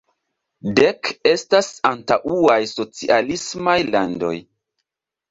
Dek estas antaŭaj socialismaj landoj.